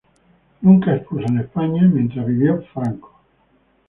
Nunca expuso en España mientras vivió Franco.